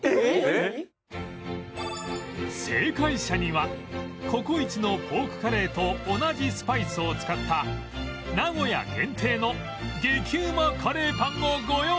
正解者にはココイチのポークカレーと同じスパイスを使った名古屋限定の激うまカレーパンをご用意